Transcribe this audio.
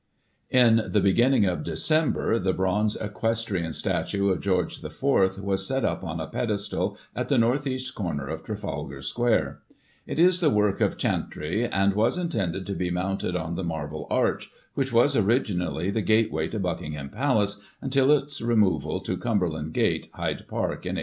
In the beginning of December the bronze equestrian statue Digiti ized by Google 1843] INDIANS IN ENGLAND. 231 of George IV. was set up on a pedestal at the north east comer of Trafedgar Square. It is the work of Chantrey, and was intended to be mounted on the Marble Arch, which was, originally, the gateway to Buckingham Palace, until its re moval to Cumberland Gate, Hyde Park, in 1851.